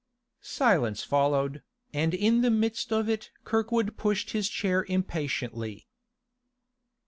Silence followed, and in the midst of it Kirkwood pushed his chair impatiently.